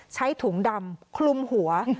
ใช้ถุงดำคลุมหัว